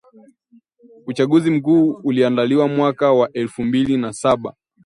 uchaguzi mkuu uliandaliwa mwaka wa elfu mbili na saba